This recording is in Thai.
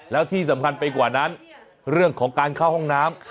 แล้วที่สำคัญไปกว่านั้นเรื่องของการเข้าห้องน้ำ